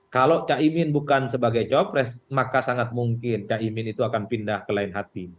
kalau caimin bukan sebagai cawapres maka sangat mungkin caimin itu akan pindah ke lain hati